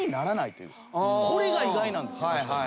これが意外なんですよ。